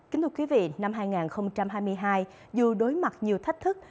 kính thưa quý vị năm hai nghìn hai mươi hai dù đối mặt nhiều thách thức